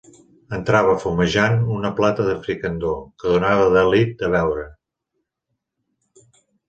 Entrava, fumejant, una plata de fricandó, que donava delit de veure.